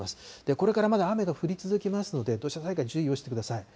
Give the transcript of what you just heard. これからまだ雨が降り続きますので、土砂災害、注意をしてください。